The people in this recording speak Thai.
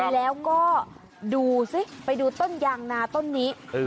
แล้วก็ดูสิไปดูต้นยางนาต้นนี้